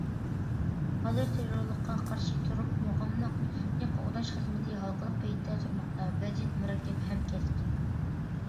ھازىر تېررورلۇققا قارشى تۇرۇپ، مۇقىملىقنى قوغداش خىزمىتى ھالقىلىق پەيتتە تۇرماقتا، ۋەزىيەت مۇرەككەپ ھەم كەسكىن.